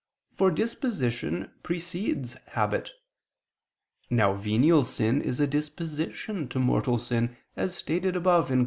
For disposition precedes habit. Now venial sin is a disposition to mortal sin, as stated above (Q.